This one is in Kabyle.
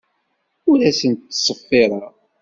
Ur asent-ttṣeffireɣ.